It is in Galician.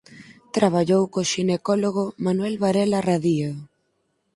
Traballou co xinecólogo Manuel Varela Radío.